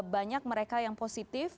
banyak mereka yang positif